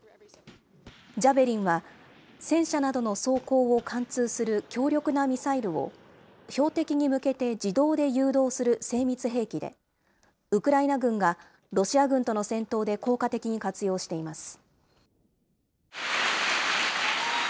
ジャベリンは、戦車などの装甲を貫通する強力なミサイルを、標的に向けて自動で誘導する精密兵器で、ウクライナ軍がロシア軍との戦闘で効果的に活用しています。